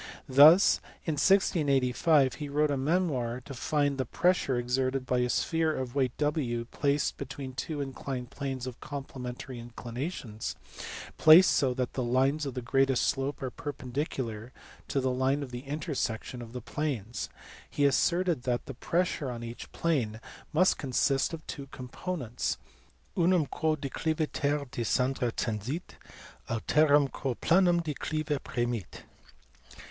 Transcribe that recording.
Thus, in 1685, he wrote a memoir to find the pressure exerted by a sphere of weight W placed between two inclined planes of complementary inclinations, placed so that the lines of greatest slope are perpendicular to the line of the intersection of the planes. He asserted that the pressure on each plane must consist of two components, " unum quo decliviter de scendere tendit, alterum quo planum declive premit."